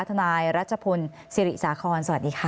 ทนายรัชพลศิริสาคอนสวัสดีค่ะ